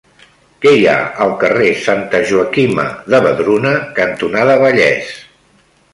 Què hi ha al carrer Santa Joaquima de Vedruna cantonada Vallès?